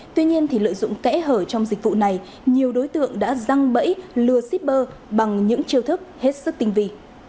tuy nhiên lợi dụng kẽ hở trong dịch vụ này nhiều đối tượng đã răng bẫy lừa shipper bằng những chiêu thức hết sức tinh vị